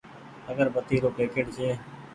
اگربتي رو پيڪيٽ ڇي۔